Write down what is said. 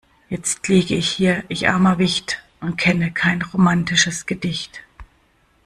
Jetzt lieg ich hier ich armer Wicht und kenne kein romatisches Gedicht.